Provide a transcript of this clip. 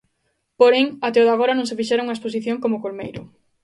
Porén, até o de agora non se fixera unha exposición como Colmeiro.